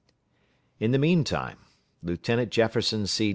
In the mean time Lieutenant Jefferson C.